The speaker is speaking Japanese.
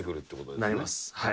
なります。